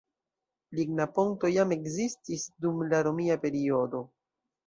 Ligna ponto jam ekzistis dum la romia periodo.